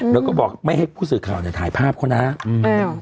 แล้วก็บอกไม่ให้ผู้สื่อข่าวเนี้ยถ่ายภาพเขานะอืม